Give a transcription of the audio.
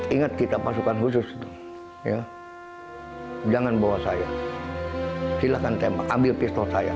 ingat kita pasukan khusus jangan bawa saya silahkan tembak ambil pistol saya